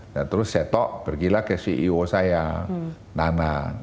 nah terus saya tok pergilah ke ceo saya nana